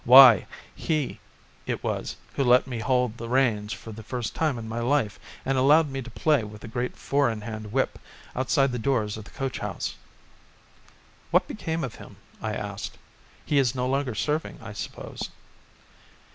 Why! he it was who let me hold the reins for the first time in my life and allowed me to play with the great four in hand whip outside the doors of the coach house. "What became of him?" I asked. "He is no longer serving, I suppose."